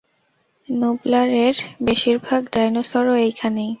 নুবলারের বেশিরভাগ ডাইনোসরও এখানেই।